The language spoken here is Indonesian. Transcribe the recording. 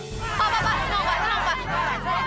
pak pak pak tenang pak tenang pak